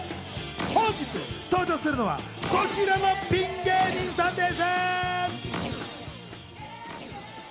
本日登場するのは、こちらのピン芸人さんです。